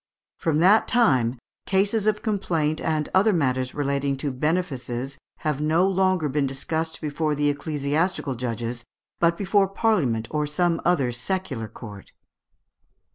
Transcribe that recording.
From that time "cases of complaint and other matters relating to benefices have no longer been discussed before the ecclesiastical judges, but before Parliament or some other secular court."